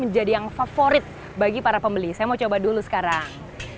jadi yang favorit bagi para pembeli saya mau coba dulu sekarang